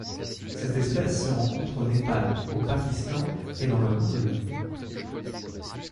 Cette espèce se rencontre au Népal, au Pakistan et dans le nord de l'Inde.